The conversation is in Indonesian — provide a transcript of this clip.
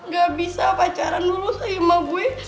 gak bisa pacaran dulu sama bue